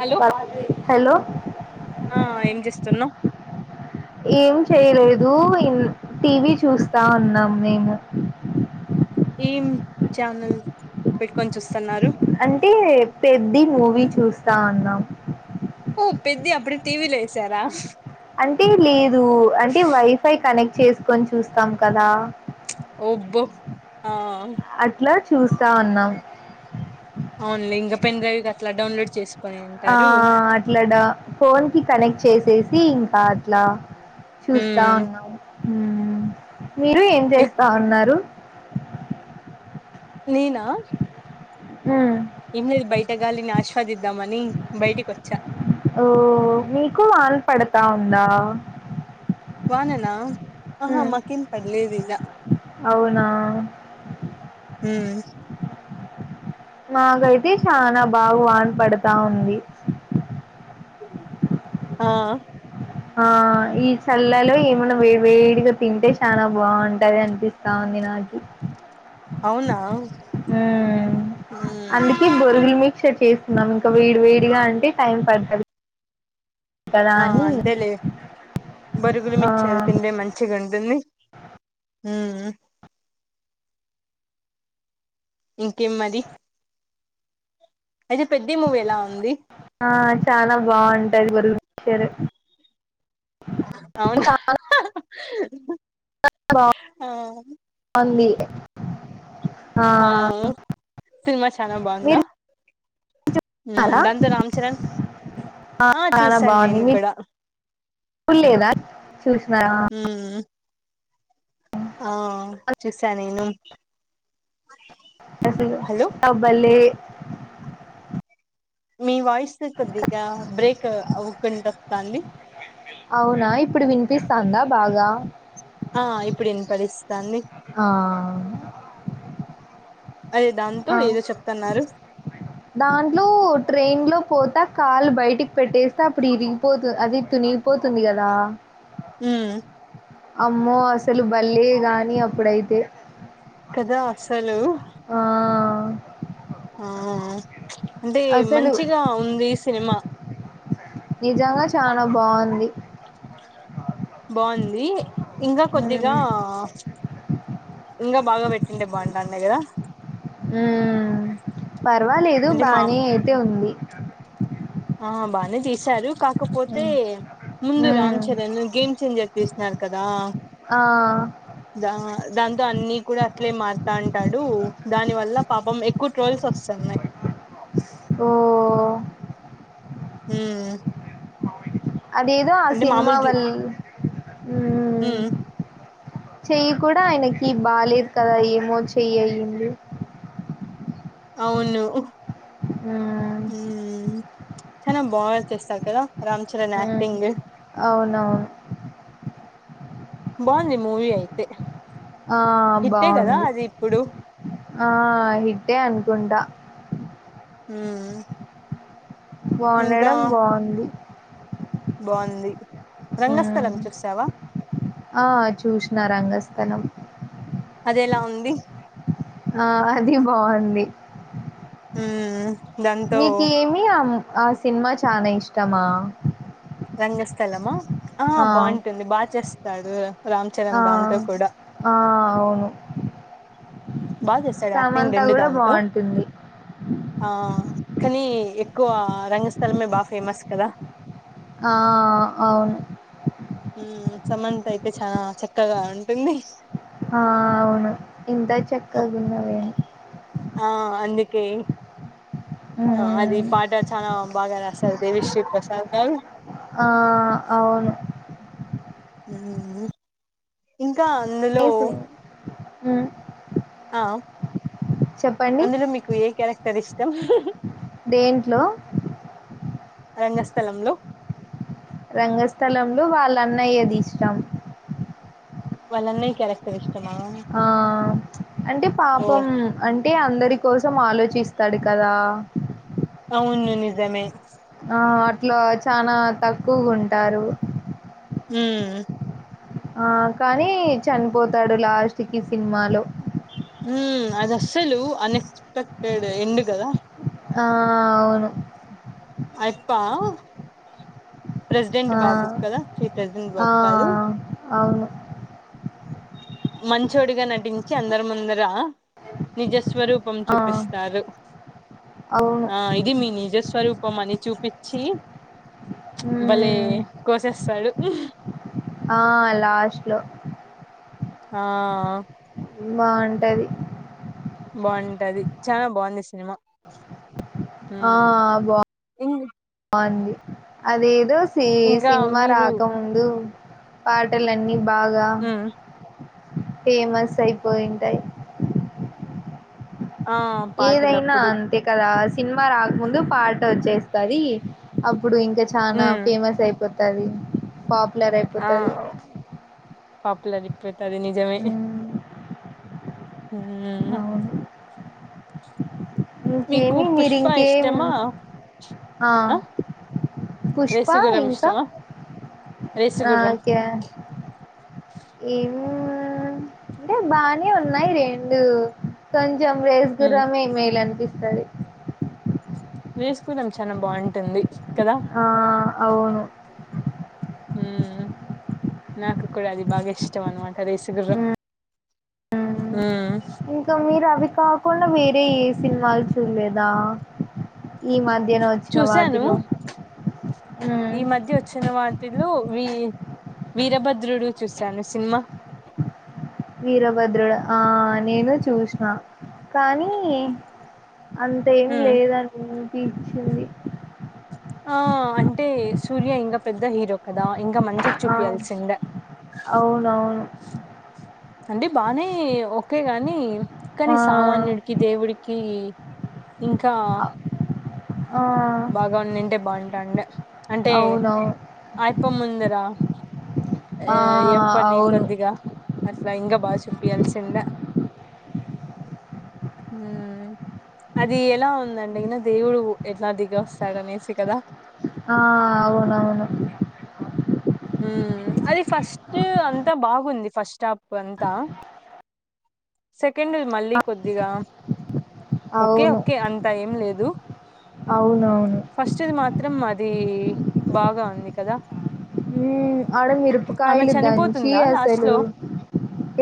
Hello hello ఆ ఏం చేస్తున్నావ్ ఏం చెయలే దు ఇం టీవీ చూస్తా ఉన్నాం మేము టీమ్ ఛానల్ పెట్టుకొని చూస్తున్నారు అంటే పెద్ద మూవీ చూస్తా ఉన్నాం ఓ పెద్ది అప్పుడే టీవీలో వేసారా అంటే లేదు అంటే వైఫై కనెక్ట్ చేసుకొని చూస్తాం కదా ఒబ్బో అట్లా చూస్తా ఉన్నాం ఓన్లీ ఇంగ పెన్డ్రైవ్ అట్లా డౌన్లోడ్ చేస్ ఆ అట్లా డౌ ఫోన్ కి కనెక్ట్ చేసేసి ఇంకా అట్లా చూస్తా ఉమ్ ఉన్నాము మ్ మీరు ఏం చేస్తా ఉన్నారు నేనా మ్ ఏం లేదు బయట గాలిని ఆస్వాదిద్దాంమని బయటికోచ్చా ఓ మీకు వాన పడుతా ఉందా వాననా ఆహా మకేం పడ్లేదు ఇడ అవునా మ్ మాకైతే చానా బాగ వాన పడతా ఉంది ఆ ఆ ఈ చల్లలో ఏమైన్నా వేడ్ వేడిగా తింటే చాలా బావుంటది అనిపిస్తా మినాకి అవునా మ్ ఉమ్ అందుకే బొరుగుల్మి చెప్పి ఎస్కున్నాం ఇంకా వేడి వేడిగా అంటే టైం పడుతది కదా ఆ అని అంతేలే బొరుగుల ఆ మిచ్చర్ తింటే మంచిగా ఉంటుంది మ్మ్ ఇంకేంమది అయితే పెద్ద మూవీ ఎలా ఉంది ఆ చాలా బావుంటది బొరుగుల మిచ్చరు అవునా బా ఆ అంది ఆ సినిమా చనా బాందా మీరు చూసారా దాంతో రామ్ చరణ్ ఆ చూసాను నేను కూడా లేదా చూసినారా మ్మ్ ఆ చూసా నేను ఎసగ హలో అబలే మీ వాయిస్ కొద్దిగా బ్రేక్ అవకుంట వస్తాంది అవునా ఇప్పుడు వినిపిస్తాందా బాగా ఆ ఇప్పుడు ఇనపడిస్తాంది ఆ అదే దాంతో ఆ ఏదో చెప్తున్నారు దాంట్లో ట్రైన్ లో పోతా కాళ్లు బయటికి పెట్టేస్తే అప్పుడు ఇరిగిపోత అది తునిగిపోతుంది కదా హ్మ్ అమ్మో అసలు బల్లే గాని అప్పుడైతే కదా అసలు ఆ ఆ అంటే అసలు మంచిగా ఉంది సినిమా నిజంగా చానా బాంది బాంది ఇంకా కొద్దిగా హ్మ్. ఇంకా బాగా పెట్టి ఉండే బావుంటది కద ఉమ్ పర్వాలేదు అంటే మా బానే అయితే ఉంది ఆ బానే తీశారు కాకపోతే హ్మ్. ముందు రామ్ హ్మ్. చరణ్ గేమ్ చేంజర్ తీసినారు కదా ఆ దా దాంతో అన్ని కూడా అట్లే మారుతాంటాడు దాని వల్ల పాపం ఎక్కువ ట్రోల్స్ వస్తున్నాయి [inaudible] ఓ హ్మ్ అదేదో ఆ సినిమా వాల్ మ్ హ్మ్ చెయ్యి కూడా ఆయనకి బాలేద్ కదా ఏమో చెయ్యి అయింది అవును మ్మ్ హ్మ్ చనా బాగా చ్చేస్తారు కదా రామ్ చరణ్ యాక్టింగ్ నవును బాఉంది మూవి అయితే ఆ హిట్టే కదా బాఉంది అది ఇప్పుడు ఆ హిట్టే అనుకుంటా ఊహుమ్ బాఉండమ్ బాఉంది బాంది ఉమ్ ఆ చూష్ న రంగస్థలం అది ఎలా ఉంది ఆ అది బాఉంది ఊహుమ్ మీకి ఏమి అమ్ ఆ సిన్ మా చానా ఇష్టమా రంగస్థలమా ఆ బాఉంటుంది బా చేస్తాడు రామ్ ఆ చరణ్ దాంతో కూడా ఆ అవును బా చేస్తడు యాక్టింగ్ సమంత రెండ్ కూడా దాంతో బాగుంటుంది ఆ కనీ ఎక్కువ రంగస్థలమే బా ఫేమస్ కదా ఆ ఔన్ హ్మ్ సమంత అయితే చానా చక్కగ ఉంటుంది ఆ ఔను ఇంతా చెక్కగున్నవెం ఆ అందుకే అది హ్మ్ పాట చానా బాగా రాసారు దేవిశ్రీ ప్రసాద్ గారు ఆ ఔను ఉహుమ్ ఇంకా అందులో ఉమ్ ఔ అందులో మీకు ఏ క్యారక్టర్ ఇష్టం దేంట్లో రంగస్థలంలో రంగస్థలంలో వాళ్ళ అన్నయది ఇష్టం వాళ్ళ అన్నయ్ క్యారక్ట ఇష్ ఆ అంటే ఓ పాపం అంటే అందరీ కోసం ఆలోచిస్తడ్ కదా ఔను నిజమే ఆ అట్లో చానా తక్కుగుంటారు ఉహుమ్ ఆ కానీ చన్ పోతాడు లాస్ట్ కి సిన్ మాలో ఉమ్ అద్ అస్సలు అనేస్పెక్టేడు ఎండు గదా ఆ ఔను అయ్ పా ప్రెసిడెంట్ ఆ బాబు కదా చీ ప్రెసిడెంట్ ఆ బాబు కాదు అవును మంచోడిగా నటించి అందరముందర నిజస్వరూపం ఆ చూపిస్తారు అవును ఆ ఇది మీ నిజస్వరూపం అని చూపిచ్చి చ్ భలే హ్మ్ కోసేస్తాడు హ్ ఆ లాస్ట్ లో ఆ ఆ బాఉంటది బాఉంటది చానా బాఉంది సినిమా ఉమ్ ఆ బా ఇం బాగుంది అదేదో సి ఇంకా సినిమా మీరు రాకముందు పాటలన్నీ బాగా ఉమ్ ఫేమస్ అయిపోయి ఉంటాయి ఆ ఏదైనా పాటలప్పుడు అంతే కదా సినిమా రాకముందు పాట వచ్చేస్తుంది అప్పుడు ఇంకా చానా ఉమ్ ఫేమస్ అయిపోతుంది అయిపోతది పాపులర్ ఆ అయిపోతది తది నిజమే హ్మ్. ఉమ్ మీకు ఇంకేమీ మీరి పుష్ప ఇంకేం ఇష్టమా ఆ పుష్పా రేసుగుర్రం ఇంకా ఇష్టమా ఆ రేసుగుర్రం ఓకే ఈ అంటే బానే ఉన్నాయి రెండు కొ కొంచం ఉమ్ రేసుగుర్రం ఏ మేల అనిపిస్తది వేసుకున్నాం చాల బాగుంటుంది కదా ఆ అవును హ నాకు కూడా అది బాగా ఇష్టం అన్నమాట రేసుగుర్రం ఉమ్. ఉ ఇంకా మీరు అవి కాకుండా వేరే ఏ సినిమాలు చూడలేదా ఈ మధ్యన వచ్చిన చూసాను వాటిలో ఈ ఉమ్. మధ్య వచ్చిన వాటిలో వి వీరభద్రుడు చూశాను సినిమా వీరభద్రుడు ఆ నేను చూసిన కానీ అంత ఏం ఉమ్ లేదని అనిపించింది ఆ అంటే సూర్య ఇంకా పెద్ద హీరో కదా ఇంకా మంచికి ఆ చూపియాల్సిందా అవునవును అంటే బానే ఒకే గాని ఆ కానీ సామాన్యుడికి దేవుడికి ఇంకా ఆ బాగా ఉండుంటే బాగుంటాండి అంటే అవునవును అయ్యప్పని ముందరా ఆ అయ్యప్పని అవును కొద్దిగా అట్లా ఇంకా బాగా చెప్త వెలిసిందా హూ అది ఎలా ఉందండి అయినా దేవుడు అదిగో సగం ఏసి కదా ఆ అవునవును హూ అది ఫస్ట్ అంతా బాగుంది ఫస్ట్ స్టాప్ అంతా సెకండ్ ది మళ్ళీ కొద్దిగా ఓకే అవును ఓకే అంత ఏం లేదు అవునవును ఫస్ట్ది మాత్రం అది బాగా ఉంది కదా ఉ ఆడ ఆమె మిరపకాయలు దంచి చనిపోతుందా లాస్ట్ అసలు లో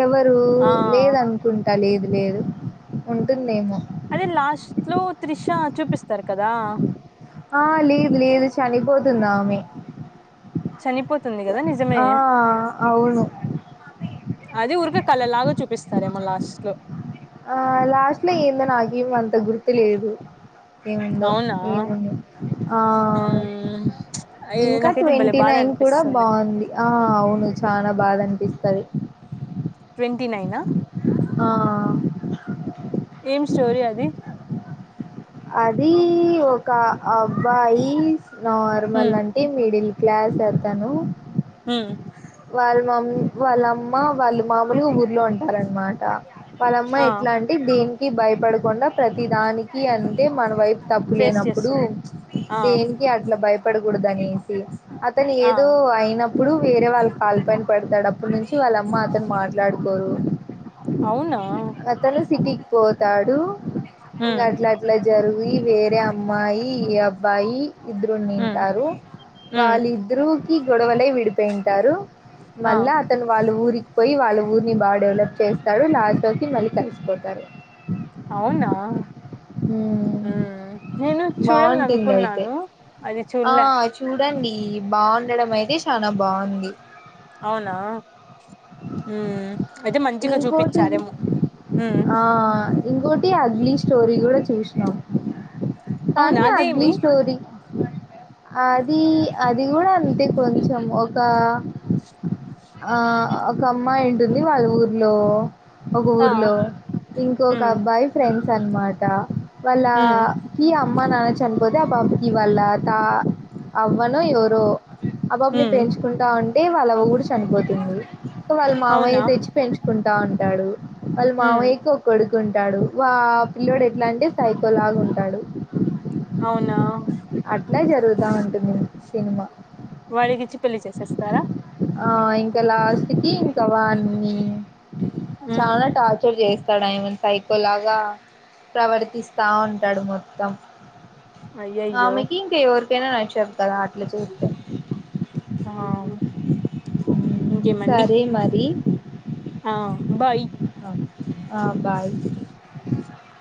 ఎవరు ఆ లేదనుకుంటా లేదు లేదు ఉంటుందేమో అదే లాస్ట్ లో త్రిషా చూపిస్తారు కదా ఆ లేదు లేదు చనిపోతుందా ఆమే చనిపోతుంది కదా నిజమే అవును అది ఊరక కళ్ళలాగా చూపిస్తారేమో లాస్ట్ లో ఆ లాస్ట్ లో ఏందో నాకేమ అంత గుర్తు లేదు ఏముందో అవునా ఏముందో ఆ మ్మ్ అయ్ ఇంకా నాకైతే భలే ట్వంటీ బాధ నైన్ కూడా అనిపిస్తుంది బంది ఆ అవును చాల బాదనిపించింది తీస్తది ట్వంటీ నైన్ ఆ ఏం స్టోరీ అది అది ఒక అబ్బాయి నార్మల్ మ్మ్ అంటే మిడిల్ క్లాస్ అతను ఊఉ వాళ్ళ మామ్ వాళ్ళమ్మ వాళ్ళు మామూలుగా ఊర్లో ఉంటారనమాట వలమ్మ ఆ ఎట్లాంటి దేనికి భయపడకుండా ప్రతి దానికి అంటే మన వైపు తప్పు ఫేస్ లేనప్పుడు చేస్తుంది ఆ దేనికి అట్లా భయపడకూడదు అనేసి అతను ఆ ఏదో అయినప్పుడు వేరే వాళ్ళ కలపైనా పడతాడు అప్పుటి నుంచి వాళ్ళమ్మ అతను మాట్లాడు అవునా అతను సిటీకి పోతాడు ఇంకా మ్మ్ అట్లా అట్లా జరుగి వేరే అమ్మాయి ఈ అబ్బాయి ఇద్దరు మ్మ్ తింటారు మ్మ్ వాళ్ళిద్దరుకి గొడవలే విడిపోయింటారు ఆ మల్లా అతను వాళ్ళు ఊరికి పోయి వాళ్ళ ఊరిని బాగా డెవలప్ చేస్తారు లాచోకి మళ్ళీ కలిసిపోతారు అవునా ఉ నేను బాగుంటుంది చూడాలనుకున్నాను అది చూల్లె అదండి బాగుండడం అయితే చనా బాగుంది అవునా ఊఉ అయితే మంచిగా ఇంకోటి చూపిచ్ఛారేమో ఆ ఇంకోటి అగ్లీ స్టోరీ కూడా చూసినాం అవునా కానీ అగ్లీ అదేమి స్టోరీ అది అది కూడా అంతే కొంచెం ఒక ఆ ఒక అమ్మా ఉంటుంది వాళ్ళ ఊర్లో ఊ లో ఒక ఆ ఊర్లో ఇంకొక మ్మ్ అబ్బాయి ఫ్రెండ్స్ అనమాట వాళ్ళ మ్మ్ కి అమ్మానాచ్ చనిపోతే ఆ బాబకి వాళ్ళ తా అవ్వనో ఎవరో అబ్బాబుని మ్మ్ పెంచుకుంటా ఉంటే వాళ్ళ అవ్వ కూడా చనిపోతున్ది సో వాళ్ళ మా అవునా అమయ్య తెచ్చి పెంచు కుంటా ఉంటాడు వాళ్ళు మ్మ్ మావయ్యకి ఒకడు ఉంటాడు వా పిల్లడు ఎట్లా అంటే సైకోలాగ ఉంటాడు అవునా అట్లే జరుగుతావుంటుంది సినిమా వాడికి ఇచ్చి పెళ్లి చేసేస్తారా ఆ ఇంకా లాస్ట్ కి ఇంకా వాన్ని చాలా టార్ చేస్తాడు ఆమెన్ సైకో లాగా ప్రవర్తిస్తా ఉంటాడు మొత్తం అయ్యయ్యో ఆమెకీ ఇంకెవరికైనా నచ్చదు కదా అట్లా చేస్తే ఆ ఇంకేమండి సరే మరి ఆ భాయి ఆ బాయ్ [inaudible]